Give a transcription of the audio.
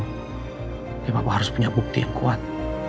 tapi bapak harus punya bukti yang kuat